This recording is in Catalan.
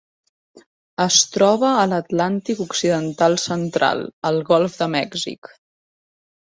Es troba a l'Atlàntic occidental central: el golf de Mèxic.